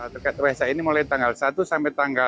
tegak tegak waisak ini mulai tanggal satu sampai tanggal dua